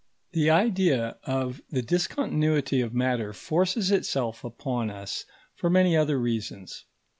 The idea of the discontinuity of matter forces itself upon us for many other reasons.